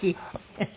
フフ。